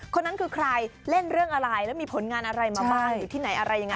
คนนั้นคือใครเล่นเรื่องอะไรแล้วมีผลงานอะไรมาบ้างอยู่ที่ไหนอะไรยังไง